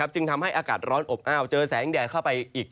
จึงทำให้อากาศร้อนอบอ้าวเจอแสงแดดเข้าไปอีก